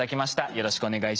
よろしくお願いします。